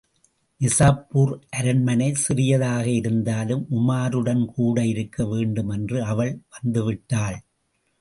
நிசாப்பூர் அரண்மனை சிறியதாக இருந்தாலும், உமாருடன் கூடஇருக்க வேண்டுமென்று அவள் வந்து விட்டாள்.